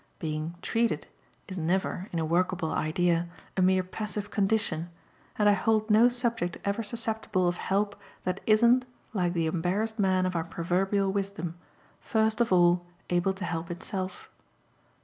Being "treated" is never, in a workable idea, a mere passive condition, and I hold no subject ever susceptible of help that isn't, like the embarrassed man of our proverbial wisdom, first of all able to help itself.